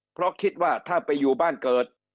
เพราะคิดว่าถ้าไปอยู่บ้านเกิด